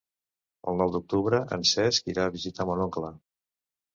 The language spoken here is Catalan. El nou d'octubre en Cesc irà a visitar mon oncle.